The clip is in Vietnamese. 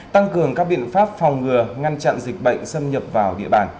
tăng cường các biện pháp phòng ngừa ngăn chặn dịch bệnh xâm nhập vào địa bàn